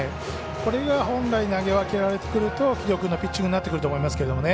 これが本来投げ分けられてくると城戸君のピッチングになってくると思いますけどね。